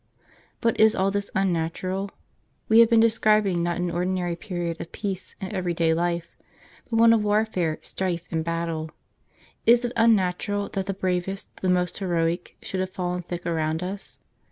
But is all this unnatural? We have been describing not an ordinary period of peace and every day life, but one of warfare, strife, and battle. Is it unnatural that the bravest, the most heroic, should have fallen thick around us